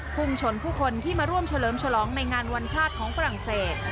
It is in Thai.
พุ่งชนผู้คนที่มาร่วมเฉลิมฉลองในงานวันชาติของฝรั่งเศส